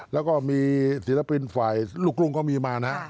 แล้วก็มีศิลปินไฟลูกลุงก็มา